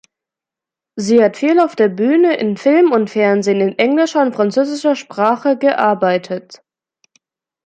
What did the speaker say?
Sie hat viel auf der Bühne, in Film und Fernsehen in englischer und französischer Sprache gearbeitet.